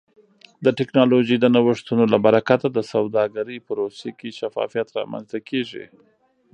د ټکنالوژۍ د نوښتونو له برکته د سوداګرۍ پروسې کې شفافیت رامنځته کیږي.